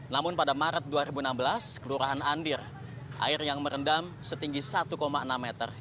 namun pada maret dua ribu enam belas kelurahan andir air yang merendam setinggi satu enam meter